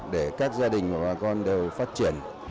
để các gia đình của bà con đều phát triển